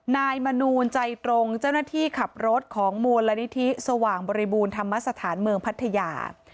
นายมนูลใจตรงเจ้าหน้าที่ขับรถของมูลนิธิสว่างบริบูรณธรรมสถานเมืองพัทยา